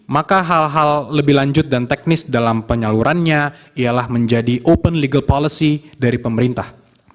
maka hal hal lebih lanjut dan teknis dalam penyalurannya ialah menjadi open legal policy dari pemerintah